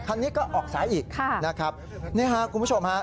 คันนี้ก็ออกซ้ายอีกค่ะนะครับนี่ฮะคุณผู้ชมฮะ